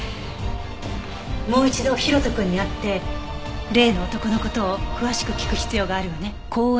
もう一度大翔くんに会って例の男の事を詳しく聞く必要があるわね。